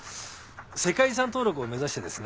世界遺産登録を目指してですね。